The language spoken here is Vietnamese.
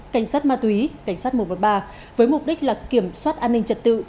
cảnh sát ma túy cảnh sát một trăm một mươi ba với mục đích là kiểm soát an ninh trật tự